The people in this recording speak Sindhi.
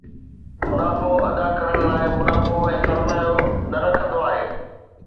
منافعو ادا ڪرڻ لاءِ منافعو ۽ سرمايو نه رکندو آھي